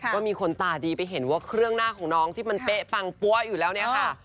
ว่ามีคนตาดีไปเห็นว่าเครื่องหน้าของน้องที่มันเป๊ะปังปั้วอยู่แล้วเนี่ยค่ะ